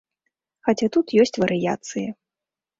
Хаця тут ёсць варыяцыі.